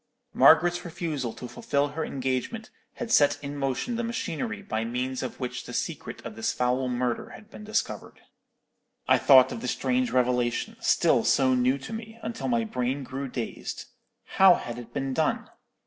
Margaret's refusal to fulfil her engagement had set in motion the machinery by means of which the secret of this foul murder had been discovered. "I thought of the strange revelation, still so new to me, until my brain grew dazed. How had it been done?